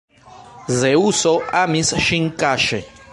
Zeŭso amis ŝin kaŝe.